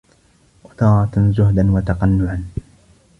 وَتَارَةً زُهْدًا وَتَقَنُّعًا